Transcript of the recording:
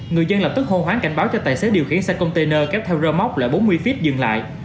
người dân lập tức hô hoáng cảnh báo cho tài xế điều khiển xe container kéo theo rơ móc lại bốn mươi feet dừng lại